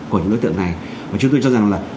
của những đối tượng này và chúng tôi cho rằng là